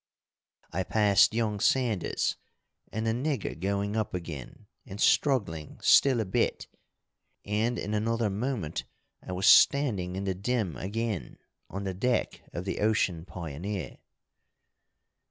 I passed young Sanders and the nigger going up again and struggling still a bit, and in another moment I was standing in the dim again on the deck of the Ocean Pioneer.